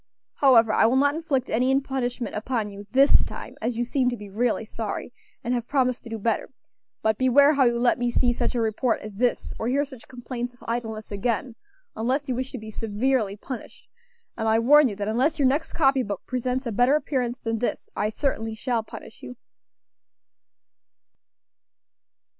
However, I will not inflict any punishment upon you this time, as you seem to be really sorry, and have promised to do better; but beware how you let me see such a report as this, or hear such complaints of idleness again, unless you wish to be severely punished; and I warn you that unless your next copy book presents a better appearance than this, I certainly shall punish you.